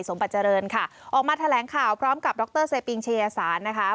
สมบัติเจริญค่ะออกมาแถลงข่าวพร้อมกับดรเซปิงชายสารนะคะ